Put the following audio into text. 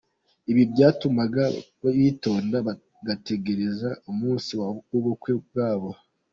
Ibi byatumaga bitonda bagategereza umunsi wubukwe bwabo.